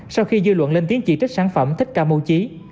sau khi dư luận lên tiếng chỉ trích sản phẩm thích ca mô chí